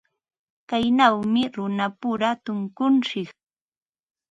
Kaynawmi runapura tunkuntsik.